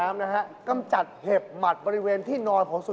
อ้าวแล้ว๓อย่างนี้แบบไหนราคาถูกที่สุด